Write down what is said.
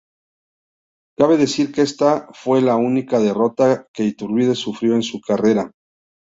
Cabe decir que esa fue la única derrota que Iturbide sufrió en su carrera.